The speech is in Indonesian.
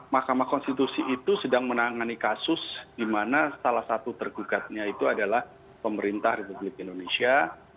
mahkamah konstitusi itu sedang menangani kasus di mana salah satu tergugatnya itu adalah pemerintah republik indonesia